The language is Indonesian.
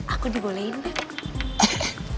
aku dibolehin neng